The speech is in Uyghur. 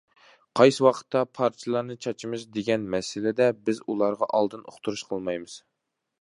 قايسى ۋاقىتتا پارچىلارنى چاچىمىز، دېگەن مەسىلىدە بىز ئۇلارغا ئالدىن ئۇقتۇرۇش قىلمايمىز.